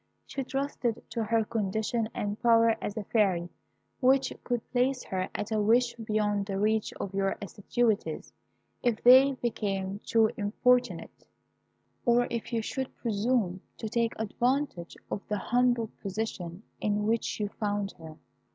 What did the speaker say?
She trusted to her condition and power as a Fairy, which could place her at a wish beyond the reach of your assiduities if they became too importunate, or if you should presume to take advantage of the humble position in which you found her.